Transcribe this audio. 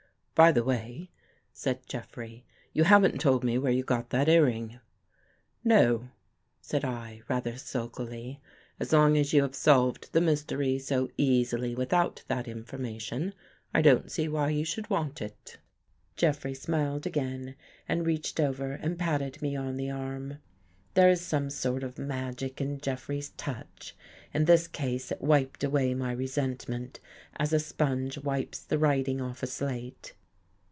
" By the way," said Jeffrey, " you haven't told me where you got that earring." " No," said I, rather sulkily. " As long as you have solved the mystery so easily without that in formation, I don't see why you should want it." Jeffrey smiled again and reached over and patted me on the arm. There is some sort of magic in Jeffrey's touch. In this case it wiped away my resentment as a sponge wipes the writing off a slate.